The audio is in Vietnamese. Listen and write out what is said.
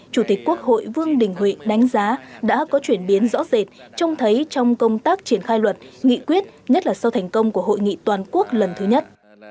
chủ tịch quốc hội vương đình huệ đánh giá đã có chuyển biến rõ rệt trông thấy trong công tác triển khai luật nghị quyết nhất là sau thành công của hội nghị toàn quốc lần thứ nhất